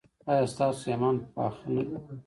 ایا ستاسو ایمان پاخه نه دی؟